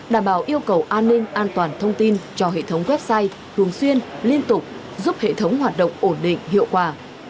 đảm bảo yêu cầu an ninh an toàn thông tin cho hệ thống website thường xuyên liên tục giúp hệ thống hoạt động ổn định hiệu quả